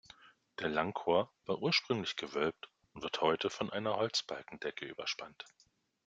Der Langchor war ursprünglich gewölbt und wird heute von einer Holzbalkendecke überspannt.